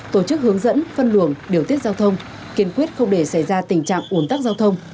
tổ chức hướng dẫn phân luồng điều tiết giao thông kiên quyết không để xảy ra tình trạng ủn tắc giao thông